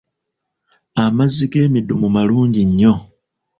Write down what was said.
Amazzi g'emidumu malungi nnyo.